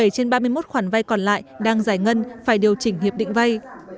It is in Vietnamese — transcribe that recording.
một mươi bảy trên ba mươi một khoản vai còn lại đang giải ngân phải điều chỉnh hiệp định vai